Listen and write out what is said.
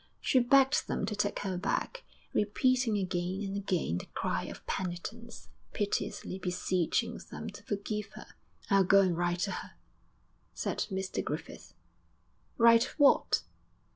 She begged them to take her back, repeating again and again the cry of penitence, piteously beseeching them to forgive her. 'I'll go and write to her,' said Mr Griffith. 'Write what?'